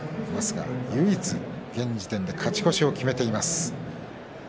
唯一、現時点で勝ち越しを決めています。